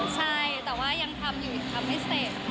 ใช่แต่ว่ายังทำอยู่อีกครั้งไม่เสร็จ